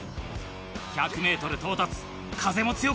１００ｍ到達風も強くない。